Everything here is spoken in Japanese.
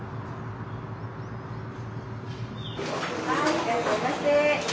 いらっしゃいませ。